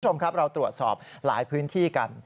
คุณผู้ชมครับเราตรวจสอบหลายพื้นที่กัน